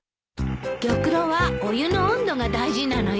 玉露はお湯の温度が大事なのよ。